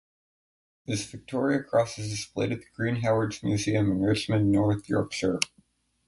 His Victoria Cross is displayed at the Green Howards Museum in Richmond, North Yorkshire.